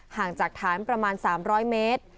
ห่างจากฐานประมาณ๓๐๐เมตร